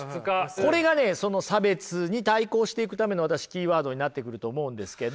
これがねその差別に対抗していくためのキーワードになってくると思うんですけど。